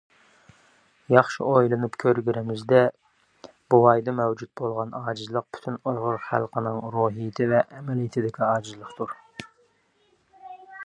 ياخشى ئويلىنىپ كۆرگىنىمىزدە بوۋايدا مەۋجۇت بولغان ئاجىزلىق پۈتۈن ئۇيغۇر خەلقىنىڭ روھىيىتى ۋە ئەمەلىيىتىدىكى ئاجىزلىقتۇر.